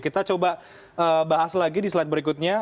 kita coba bahas lagi di slide berikutnya